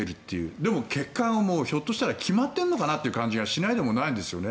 でも結果はひょっとしたら決まっているのかなという感じがしないでもないんですよね。